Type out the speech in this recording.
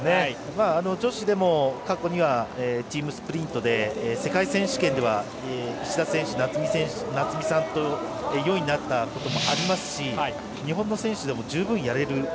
女子でも過去にはチームスプリントで世界選手権では石田選手、夏見さんと４位になったこともありますし日本の選手でも十分にやれる。